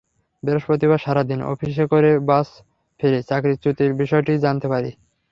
বৃহস্পতিবার সারা দিন অফিস করে বাসায় ফিরে চাকরিচ্যুতির বিষয়টি জানতে পারি।